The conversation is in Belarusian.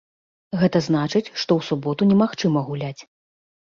Гэта значыць, што ў суботу немагчыма гуляць.